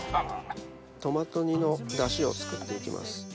トマト煮の出汁を作って行きます。